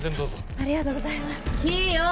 ありがとうございますキヨ！